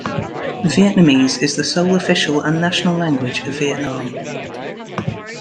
Vietnamese is the sole official and national language of Vietnam.